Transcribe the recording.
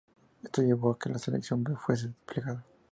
Esto llevó a que la Sección B fuese desplegada.